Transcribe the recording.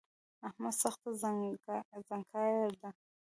احمد سخته زڼکای ده